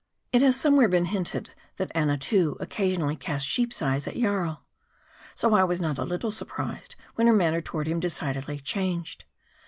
It has somewhere been hinted, that Annatoo occasionally cast sheep's eyes at Jarl. So I was not a little surprised when her manner toward him decidedly changed.